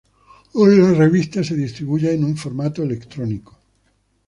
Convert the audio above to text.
Hoy la revista se distribuye en un formato electrónico.